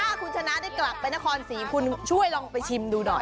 หากชนะได้กลับไปนครสีช่วยลองไปชิมดูหน่อย